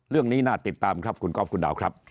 เรื่องนี้น่าติดตามครับคุณก๊อฟคุณดาวครับ